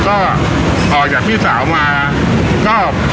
ออกที่เดูงเอง